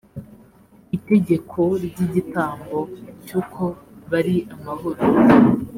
itegeko ry igitambo cy uko bari amahoro